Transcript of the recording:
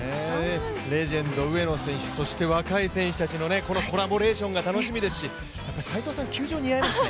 レジェンド・上野選手そして若い選手たちのコラボレーションが楽しみですし、斎藤さん、球場が似合いますね。